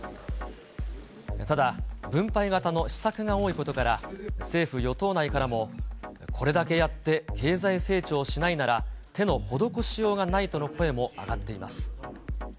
ただ、分配型の施策が多いことから、政府・与党内からも、これだけやって経済成長しないなら、手の施しようがないとの声も上がっています。